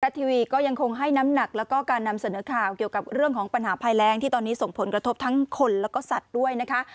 ทีวีก็ยังคงให้น้ำหนักแล้วก็การนำเสนอข่าวเกี่ยวกับเรื่องของปัญหาภัยแรงที่ตอนนี้ส่งผลกระทบทั้งคนแล้วก็สัตว์ด้วยนะคะ